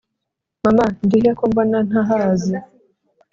mama, ndi he ko mbona ntahazi?